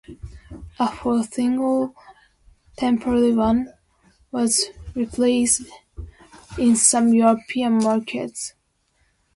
A fourth single, "Temporary One," was released in some European markets.